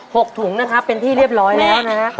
หกถุงเป็นที่เรียบร้อยแล้ว